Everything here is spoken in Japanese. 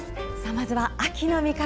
まずは秋の味覚！